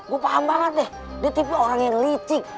gue paham banget deh dia tipe orang yang licik